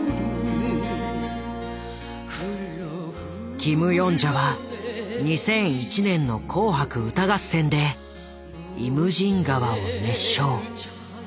キム・ヨンジャは２００１年の紅白歌合戦で「イムジン河」を熱唱。